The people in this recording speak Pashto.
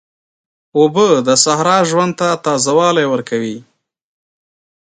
اوبه د صحرا ژوند ته تازه والی ورکوي.